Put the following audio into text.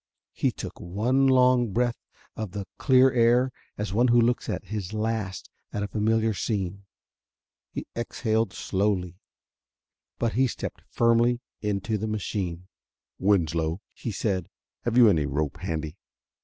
He took one long breath of the clear air as one who looks his last at a familiar scene. He exhaled slowly. But he stepped firmly into the machine. "Winslow," he said, "have you any rope handy?"